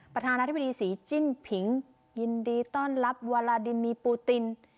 ประธานาธิบดีศรีจิ้งผิงยินดีต้อนรับวาลาดิมีปูติน